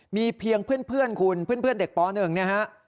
มีเพียงเพื่อนคุณเพื่อนเด็กป๑เนี่ยฮะ